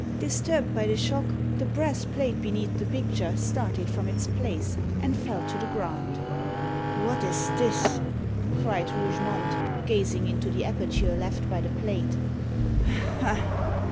Disturbed by the shock, the brass plate beneath the picture started from its place, and fell to the ground. "What is this?" cried Rougemont, gazing into the aperture left by the plate.